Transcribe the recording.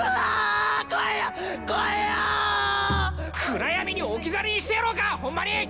暗闇に置き去りにしてやろうかホンマに！